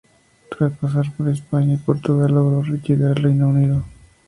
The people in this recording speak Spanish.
Tras pasar por España y Portugal logró llegar al Reino Unido.